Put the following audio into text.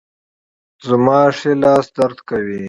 زما ښي لاس درد کوي